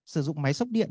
sử dụng máy sốc điện